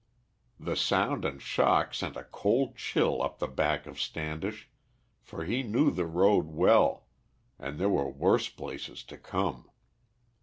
The sound and shock sent a cold chill up the back of Standish, for he knew the road well and there were worse places to come.